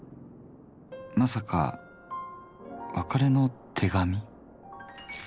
まさか別れの手紙。